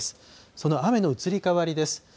その雨の移り変わりです。